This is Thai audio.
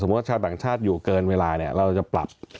ชาวต่างชาติอยู่เกินเวลาเนี่ยเราจะปรับ